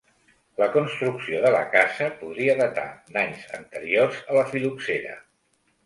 La construcció de la casa podria datar d'anys anteriors a la fil·loxera.